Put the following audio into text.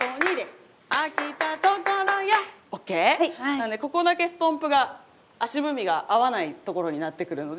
なのでここだけストンプが足踏みが合わないところになってくるので。